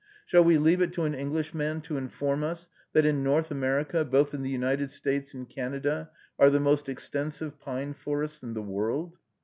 Shall we leave it to an Englishman to inform us, that "in North America, both in the United States and Canada, are the most extensive pine forests in the world"?